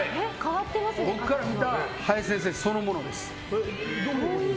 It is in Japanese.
僕から見た林先生そのものです。